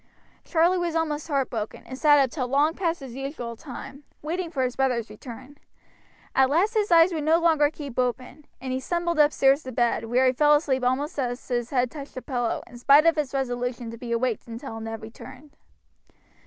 Charlie was almost heartbroken, and sat up till long past his usual time, waiting for his brother's return. At last his eyes would no longer keep open, and he stumbled upstairs to bed, where he fell asleep almost as his head touched the pillow, in spite of his resolution to be awake until Ned returned.